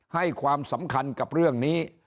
ให้ความสำคัญกับเรื่องนี้